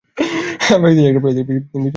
আরবদিগের ইহা একটি প্রচলিত বিশ্বাস ছিল।